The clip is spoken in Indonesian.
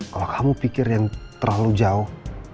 kalau kamu pikir yang terlalu jauh